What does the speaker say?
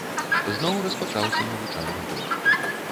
Зноў распачаўся навучальны год.